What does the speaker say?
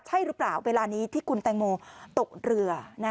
ใช่หรือเปล่าเวลานี้ที่คุณแตงโมตกเรือ